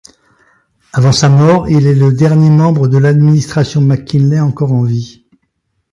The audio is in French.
Avant sa mort, il est le dernier membre de l'administration McKinley encore en vie.